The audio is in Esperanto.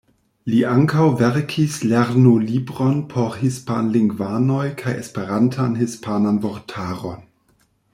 Li ankaŭ verkis lernolibron por hispan-lingvanoj kaj Esperantan-hispanan vortaron.